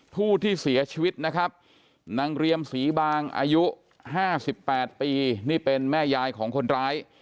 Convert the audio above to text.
ผู้ที่เสียชีวิตนะครับนางเรียมศรีบางอายุ๕๘ปีนี่เป็นแม่ยายของคนร้าย